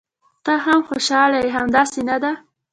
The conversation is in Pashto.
ته هم خوشاله یې، همداسې نه ده؟